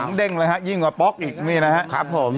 สองเด้งเลยฮะยิ่งกว่าป๊อกอีกครับผม